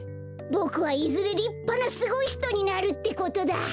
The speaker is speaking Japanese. ボクはいずれりっぱなすごいひとになるってことだ！